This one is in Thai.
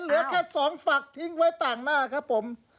เหลือแค่สองฝักทิ้งไว้ต่างหน้าครับผม